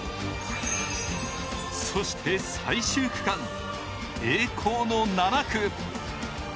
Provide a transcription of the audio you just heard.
そして最終区間、栄光の７区。